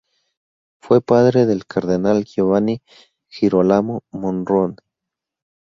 Fue padre del cardenal Giovanni Girolamo Morone.